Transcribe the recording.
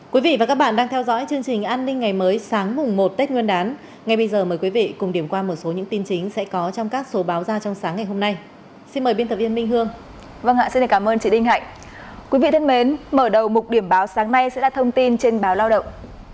quý vị thân mến mở đầu mục điểm báo sáng nay sẽ là thông tin trên báo lao động